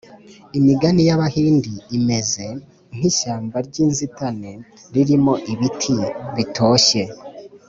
“imigani y’abahindi imeze nk’ishyamba ry’inzitane ririmo ibiti bitoshye.